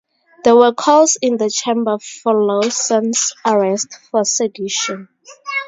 There were calls in the chamber for Lawson's arrest for sedition.